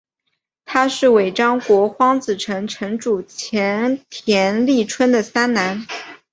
他是尾张国荒子城城主前田利春的三男。